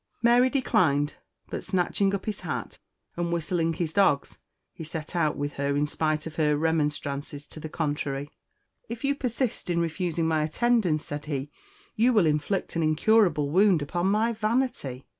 Mary declined; but snatching up his hat, and whistling his dogs, he set out with her in spite of her remonstrances to the contrary. "If you persist in refusing my attendance," said he, "you will inflict an incurable wound upon my vanity.